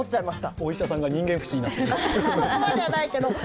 お医者さんが人間不信になってる。